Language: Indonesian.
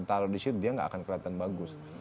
taruh di situ dia nggak akan kelihatan bagus